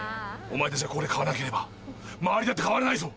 お前たちがここで変わらなければ周りだって変わらないぞ。